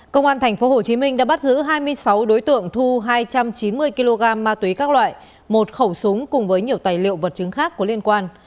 công an tp hcm đã bắt giữ hai mươi sáu đối tượng thu hai trăm chín mươi kg ma túy các loại một khẩu súng cùng với nhiều tài liệu vật chứng khác có liên quan